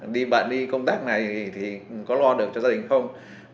đi bạn đi công tác này thì có lo được cho gia đình không